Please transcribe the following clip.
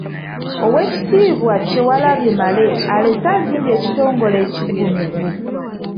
Oweekitiibwa Kyewalabye Male alese azimbye ekitongole ekiggumivu.